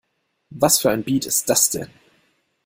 Was für ein Beat ist das denn?